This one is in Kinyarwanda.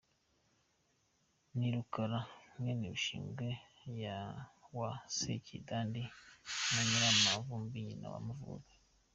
Ni Rukara mwene Bishingwe wa Sekidandi na Nyirakavumbi nyina w’Amavubi.